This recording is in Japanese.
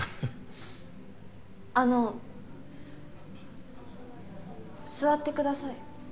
あの座ってください。